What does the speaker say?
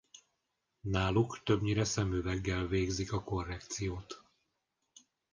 Náluk többnyire szemüveggel végzik a korrekciót.